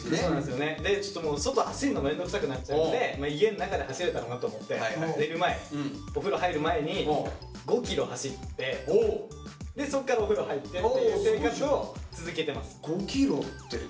でちょっともう外走るの面倒くさくなっちゃうんで家の中で走れたらなと思って寝る前でそっからお風呂入ってっていう生活を続けてます。